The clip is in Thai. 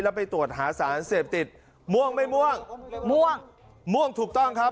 แล้วไปตรวจหาสารเสพติดม่วงไม่ม่วงม่วงม่วงถูกต้องครับ